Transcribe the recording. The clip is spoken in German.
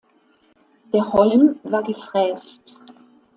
Der Holm war gefräst.